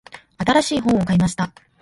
新しい本を買いました。